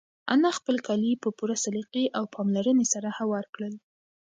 انا خپل کالي په پوره سلیقې او پاملرنې سره هوار کړل.